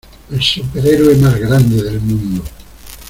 ¡ El superhéroe más grande del mundo!